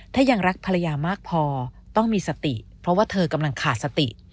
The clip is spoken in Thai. ถ้ายังรักภรรยามากพอต้องมีสติเพราะว่าเธอกำลังขาดสติ